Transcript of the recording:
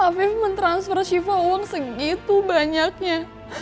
afif mentransfer siva uang segitu banyaknya